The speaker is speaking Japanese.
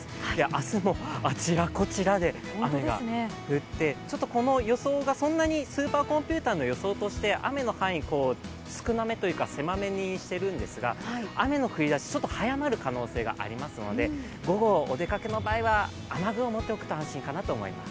明日もあちらこちらで雨が降ってちょっとこの予想が、スーパーコンピューターの予想として雨の範囲、少なめというか狭めにしているんですが雨の降り出し、ちょっと早まる可能性がありますので午後、お出かけの場合は雨具を持っていくと安心かなと思います。